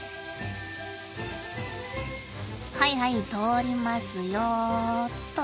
はいはい通りますよっと。